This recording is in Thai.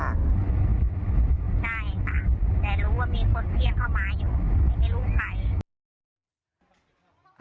ใช่ค่ะแต่รู้ว่ามีคนเพี่ยงเข้ามาอยู่แต่ไม่รู้ใคร